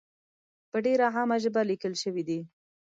په ډېره عامه ژبه لیکل شوې دي.